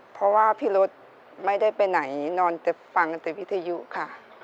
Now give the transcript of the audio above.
เพราะว่าพี่รถไม่ได้ไปไหนนอนแต่ฟังตั้งแต่วิทยุค่ะ